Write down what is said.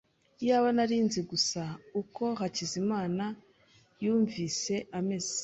Iyaba nari nzi gusa uko Hakizimana yumvise ameze!